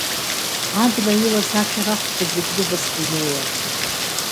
Абна илаз ашәарахқәа зегьы рывасауа инеиуан.